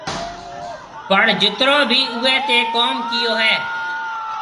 پڻ جِترون ڀِي اُوئي تي ڪوم ڪيو هيَ۔